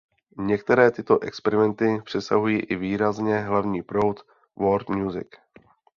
Některé tyto experimenty přesahují i výrazně hlavní proud world music.